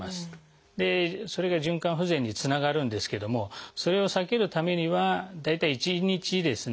でそれが循環不全につながるんですけどもそれを避けるためには大体１日ですね